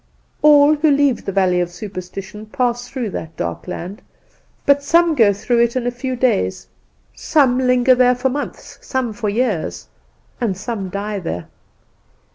"All who leave the valley of superstition pass through that dark land; but some go through it in a few days, some linger there for months, some for years, and some die there."